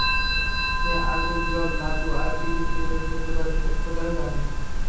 সে আগুন, জল, ধাতু আর কী কী নিয়ন্ত্রণ করতে পারে খোদাই জানে!